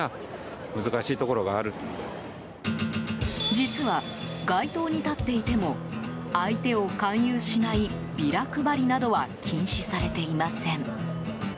実は、街頭に立っていても相手を勧誘しないビラ配りなどは禁止されていません。